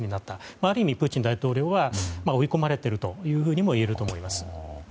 ある意味、プーチン大統領は追い込まれているともいえると思います。